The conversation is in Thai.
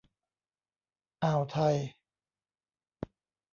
อ่าวไทย